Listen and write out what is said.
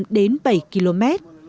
năm đến bảy km